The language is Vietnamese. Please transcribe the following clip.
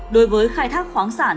đối với khai thác khoáng sản ra khỏi mỏ